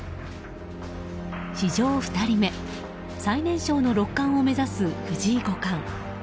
史上２人目最年少の六冠を目指す藤井五冠。